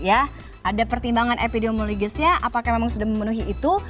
ada pertimbangan epidemiologisnya apakah memang sudah memenuhi itu